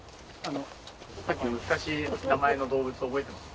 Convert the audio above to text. さっきの難しい名前の動物覚えてます？